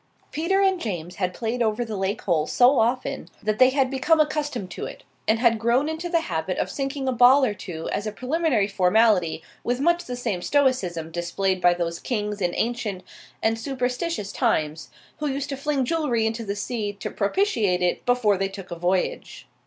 Peter and James had played over the lake hole so often that they had become accustomed to it, and had grown into the habit of sinking a ball or two as a preliminary formality with much the same stoicism displayed by those kings in ancient and superstitious times who used to fling jewellery into the sea to propitiate it before they took a voyage.